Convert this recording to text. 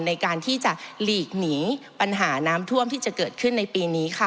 ในการที่จะหลีกหนีปัญหาน้ำท่วมที่จะเกิดขึ้นในปีนี้ค่ะ